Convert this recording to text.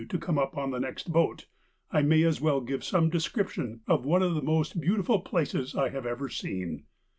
to come up on the next boat, I may as well give some description of one of the most beautiful places I have ever seen.